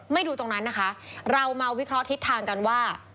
ดูตรงนั้นนะคะเรามาวิเคราะห์ทิศทางกันว่า